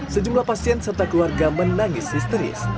sejumlah pasien serta keluarga menangis histeris